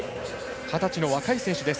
二十歳の若い選手です。